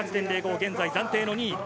現在暫定の２位。